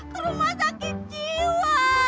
ke rumah sakit jiwa